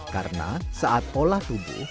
karena saat olah tubuh